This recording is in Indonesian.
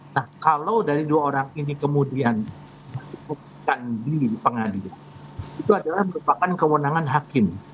nah kalau dari dua orang ini kemudian cukupkan diri di pengadilan itu adalah merupakan kewenangan hakim